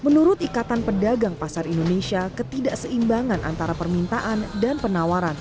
menurut ikatan pedagang pasar indonesia ketidakseimbangan antara permintaan dan penawaran